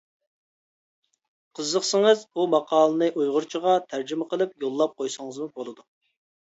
قىزىقسىڭىز، ئۇ ماقالىنى ئۇيغۇرچىغا تەرجىمە قىلىپ يوللاپ قويسىڭىزمۇ بولىدۇ.